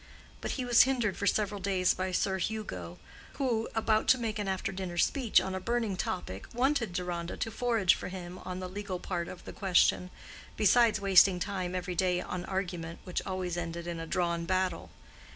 But he was hindered for several days by Sir Hugo, who, about to make an after dinner speech on a burning topic, wanted Deronda to forage for him on the legal part of the question, besides wasting time every day on argument which always ended in a drawn battle.